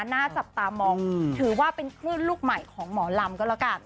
หน้าจับตามองถือว่าเป็นคลื่นลูกใหม่ของหมอลำก็แล้วกัน